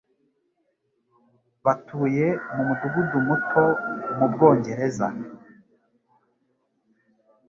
Batuye mu mudugudu muto mu Bwongereza.